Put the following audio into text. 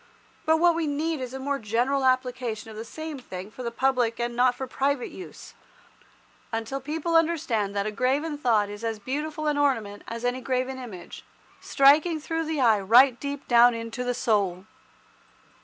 But what we need is a more general application of the same thing for public and not for private use, until people understand that a graven thought is as beautiful an ornament as any graven image, striking through the eye right deep down into the soul.